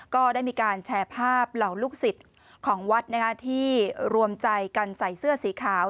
ก็ได้มีการแชร์ภาพเหล่าลูกศิษย์ของวัดที่รวมใจกันใส่เสื้อสีขาว